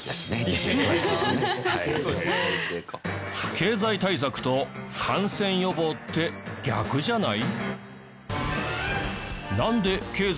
経済対策と感染予防って逆じゃない？